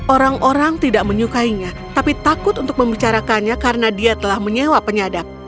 orang orang tidak menyukainya tapi takut untuk membicarakannya karena dia telah menyewa penyadap